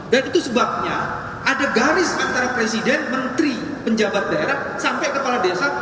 dan itu sebabnya ada garis antara presiden menteri penjabat daerah sampai kepala desa